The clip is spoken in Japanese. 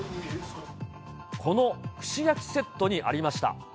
この串焼きセットにありました。